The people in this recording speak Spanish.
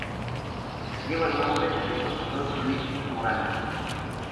Lleva el nombre de "Profesor Luis Morandi".